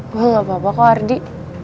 gue gak apa apa kok ardi